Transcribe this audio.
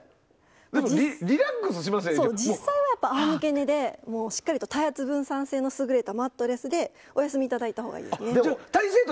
実際は仰向け寝でしっかりと体圧分散性の優れたマットレスでお休みいただいたほうがいいです。